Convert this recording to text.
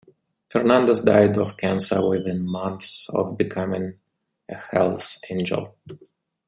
Fernandes died of cancer within months of becoming a Hells Angel.